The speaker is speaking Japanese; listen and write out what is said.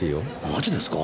マジですか？